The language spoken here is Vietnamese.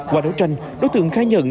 qua đấu tranh đối tượng khai nhận